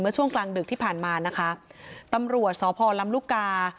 ช่วงกลางดึกที่ผ่านมานะคะตำรวจสพลำลูกกา